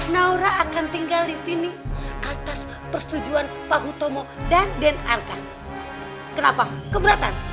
naura akan tinggal disini atas persetujuan pak hutomo dan den arka kenapa keberatan